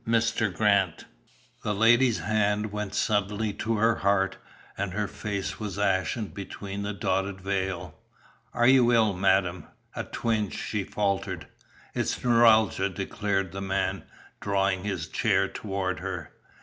"Mr. Grant." The lady's hand went suddenly to her heart, and her face was ashen beneath the dotted veil. "Are you ill, madam?" "A twinge," she faltered. "It's neuralgia," declared the man, drawing his chair toward her.